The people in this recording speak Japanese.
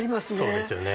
そうですよね。